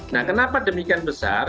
nah kenapa demikian besar